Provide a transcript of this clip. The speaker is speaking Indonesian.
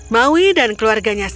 maui dan keluarganya sendiri